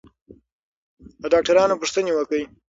له ډاکټرانو پوښتنې وکړئ.